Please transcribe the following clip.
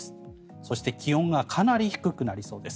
それから気温がかなり低くなりそうです。